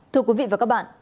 thưa quý vị và các bạn